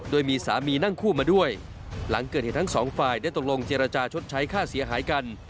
โดยมีสามีนั่งคู่มาด้วยหลังเกิดเหตุทั้งสองฝ่ายได้ตกลงเจรจาชดใช้ค่าเสียหายกัน